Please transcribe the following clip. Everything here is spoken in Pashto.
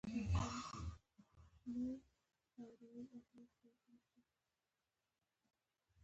څومره چې کان سپړل کېده د دوی هيلې لوړېدې.